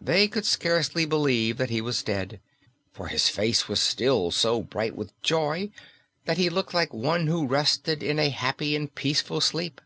They could scarcely believe that he was dead, for his face was still so bright with joy that he looked like one who rested in a happy and peaceful sleep.